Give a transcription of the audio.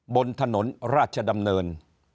บนถนนราชดำเนิน